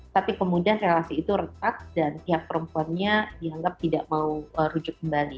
tapi kemudian relasi itu retak dan pihak perempuannya dianggap tidak mau rujuk kembali